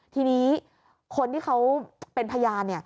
ทีนี้คนที่เขาเป็นพยาน